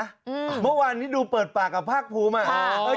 เหมือนวันนี้ดูเปิดปากกับภาคภูมิมา